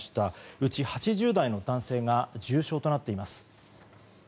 うち８０代の男性が重症となっています。